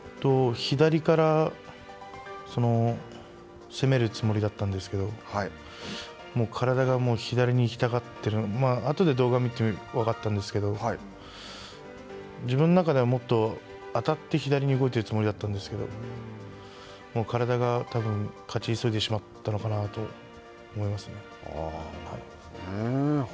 左から攻めるつもりだったんですけど、もう体が左に行きたがっている、あとで動画を見てみて分かったんですけど、次の中ではもっと当たって左に動いているつもりだったんですけど、もう体がたぶん、勝ち急いでしまったのかなと思いますね。